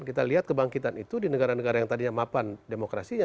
kita lihat kebangkitan itu di negara negara yang tadinya mapan demokrasinya